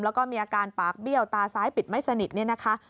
แล้วก็มีอาการปากเบี้ยวตาซ้ายปิดไม่สนิทเนี่ยนะคะ